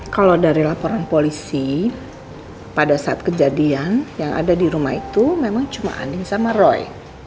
kalau dari laporan polisi pada saat kejadian yang ada di rumah itu memang cuma aning sama roy